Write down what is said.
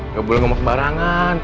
gak boleh ngomong kemarangan